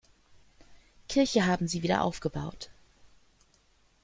Kirche haben sie wiederaufgebaut.